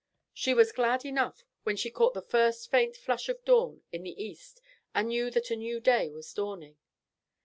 She was glad enough when she caught the first faint flush of dawn in the east and knew that a new day was dawning.